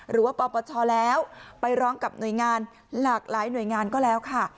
ปปชแล้วไปร้องกับหน่วยงานหลากหลายหน่วยงานก็แล้วค่ะ